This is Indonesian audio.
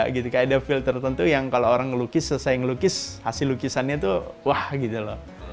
kayak ada filter tentu yang kalau orang lukis selesai lukis hasil lukisannya itu wah gitu loh